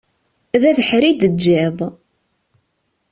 D abeḥri i d-teǧǧiḍ.